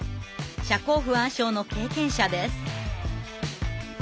社交不安症の経験者です。